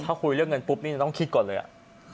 ถ้าคุยเรื่องเงินปุ๊บนี่จะต้องคิดก่อนเลยอ่ะ